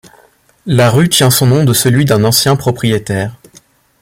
La rue tient son nom de celui d'un ancien propriétaire.